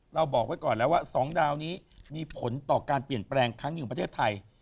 บอกไว้ก่อนแล้วว่า๒ดาวนี้มีผลต่อการเปลี่ยนแปลงครั้งหนึ่งประเทศไทย